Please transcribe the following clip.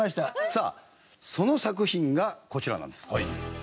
さあその作品がこちらなんです。